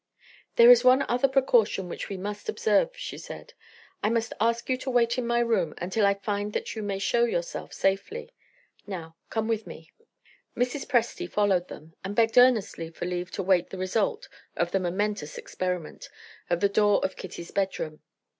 "There is one other precaution which we must observe," she said; "I must ask you to wait in my room until I find that you may show yourself safely. Now come with me." Mrs. Presty followed them, and begged earnestly for leave to wait the result of the momentous experiment, at the door of Kitty's bedroom.